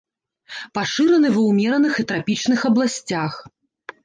Пашыраны ва ўмераных і трапічных абласцях.